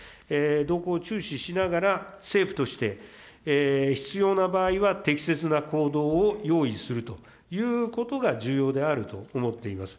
動向を注視しながら、政府として必要な場合は適切な行動を用意するということが重要であると思っています。